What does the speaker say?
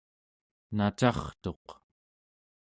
nacartuq